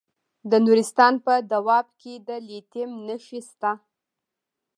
د نورستان په دو اب کې د لیتیم نښې شته.